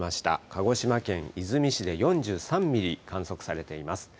鹿児島県出水市で４３ミリ観測されています。